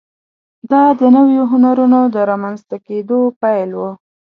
دا د نویو هنرونو د رامنځته کېدو پیل و.